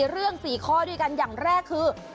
เรื่อง๔ข้อด้วยกันอย่างแรกคือ